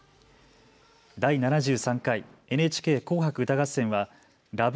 第７３回ＮＨＫ紅白歌合戦はＬＯＶＥ